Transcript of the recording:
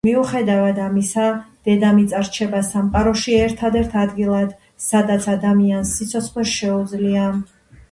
მიუხედავად ამისა, დედამიწა რჩება სამყაროში ერთადერთ ადგილად, სადაც ადამიანს სიცოცხლე შეუძლია.